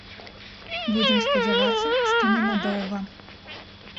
Будзем спадзявацца, што не на доўга.